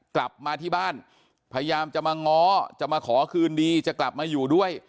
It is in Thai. กลับมาที่บ้านพยายามจะมาง้อจะมาขอคืนดีจะกลับมาอยู่ด้วย